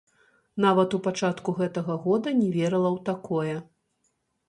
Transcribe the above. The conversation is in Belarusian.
Нават у пачатку гэтага года не верыла ў такое.